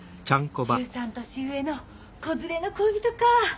１３年上の子連れの恋人かあ。